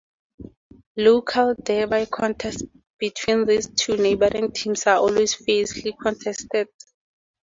Local derby contests between these two neighbouring teams are always fiercely contested.